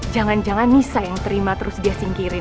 jangan jangan nisa yang terima terus dia singkirin